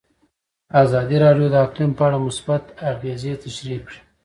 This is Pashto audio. ازادي راډیو د اقلیم په اړه مثبت اغېزې تشریح کړي.